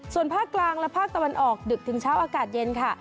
ส่วนภาคกลางและภาคตะวันออกดึกถึงเช้าอากาศเย็นค่ะ